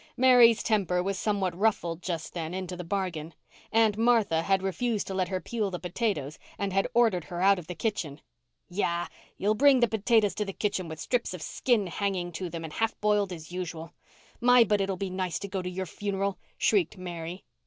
Mary's temper was somewhat ruffled just then, into the bargain. Aunt Martha had refused to let her peel the potatoes and had ordered her out of the kitchen. "Yah! You'll bring the potatoes to the table with strips of skin hanging to them and half boiled as usual! My, but it'll be nice to go to your funeral," shrieked Mary.